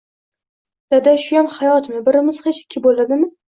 Dada shuyam hayotmi, birimiz hech ikki bo`ladimi